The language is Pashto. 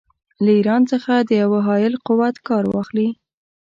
له ایران څخه د یوه حایل قوت کار واخلي.